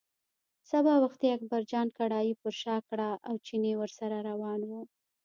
سبا وختي اکبرجان کړایی پر شا کړه او چيني ورسره روان و.